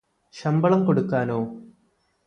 ശമ്പളം കൊടുക്കാനോ